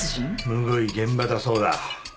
むごい現場だそうだ。